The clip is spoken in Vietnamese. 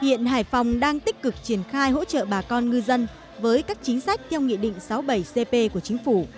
hiện hải phòng đang tích cực triển khai hỗ trợ bà con ngư dân với các chính sách theo nghị định sáu mươi bảy cp của chính phủ